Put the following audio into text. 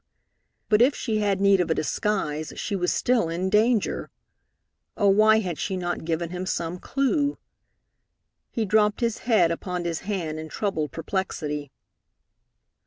But if she had need of a disguise, she was still in danger! Oh, why had she not given him some clue? He dropped his head upon his hand in troubled perplexity.